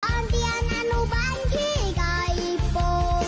ตอนเดียวนานูบันที่ไก่โป